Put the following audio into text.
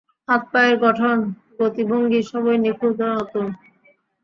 হাত-পায়ের গঠন, গতিভঙ্গি সবই নিখুঁত ও নতুন।